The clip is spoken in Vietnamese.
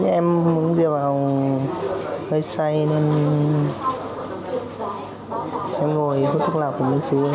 em uống rượu vào hơi say nên em ngồi hút thức nào cũng đến xuống